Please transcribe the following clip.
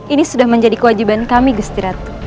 ini sudah menjadi kewajiban kami gestirahat